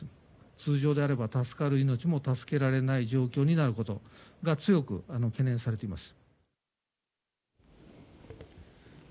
通常であれば助かる命も助けられない状況になることが強く懸念されています。